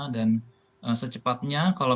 dan secepatnya kalau